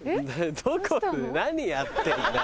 どこで何やってんだよ。